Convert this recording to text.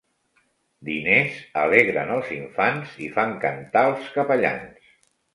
Diners alegren els infants i fan cantar els capellans.